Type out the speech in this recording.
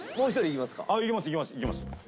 いきますか？